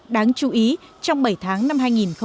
đáng chú ý trong bảy tháng năm hai nghìn một mươi chín